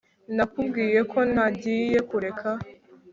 Nakubwiye ko ntagiye kureka